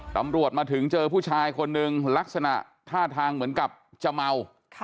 ตำรวจมาถึงเจอผู้ชายคนหนึ่งลักษณะท่าทางเหมือนกับจะเมา